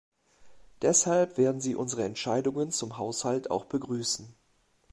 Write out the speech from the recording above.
Deshalb werden sie unsere Entscheidungen zum Haushalt auch begrüßen.